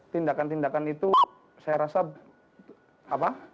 tindakan tindakan itu saya rasa apa